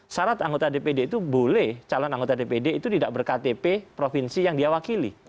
syarat anggota dpd itu boleh calon anggota dpd itu tidak berktp provinsi yang dia wakili